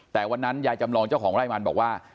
แต่วันนั้นยายจำลองเจ้าของไร่มันบอกว่า